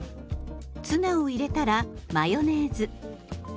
ツナを入れたらマヨネーズ。